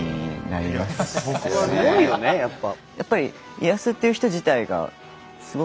すごいよねやっぱ。